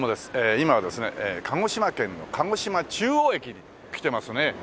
今はですね鹿児島県の鹿児島中央駅に来てますね。